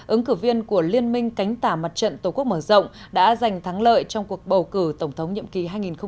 ứng cử viên của liên minh cánh tả mặt trận tổ quốc mở rộng đã giành thắng lợi trong cuộc bầu cử tổng thống nhậm kỳ hai nghìn một mươi chín hai nghìn hai mươi năm